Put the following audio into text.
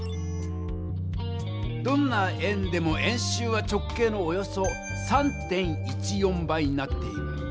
どんな円でも円周は直径のおよそ３．１４倍になっている。